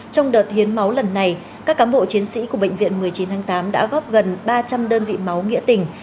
trong đợt hiến máu lần này các cán bộ chiến sĩ của bệnh viện một mươi chín tháng tám đã góp gần ba trăm linh đơn vị máu nghĩa tình